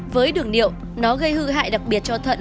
với đường niệu nó gây hư hại đặc biệt cho thần kinh